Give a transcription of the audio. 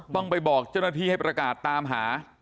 ต้องไปบอกเจ้าหน้าที่ให้ประกาศตามหา